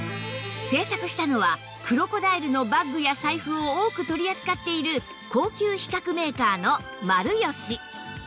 製作したのはクロコダイルのバッグや財布を多く取り扱っている高級皮革メーカーのマルヨシ